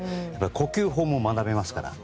呼吸法も学べますから。